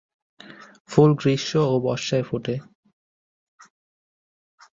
ফুল গ্রীষ্ম ও বর্ষায় ফোটে।